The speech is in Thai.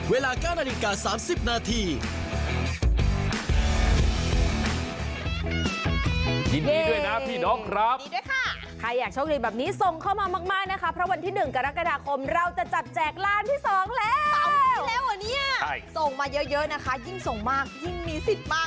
เวลาก้านอนิกา๓๐นาที